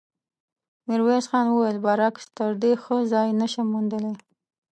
ميرويس خان وويل: برعکس، تر دې ښه ځای نه شم موندلی.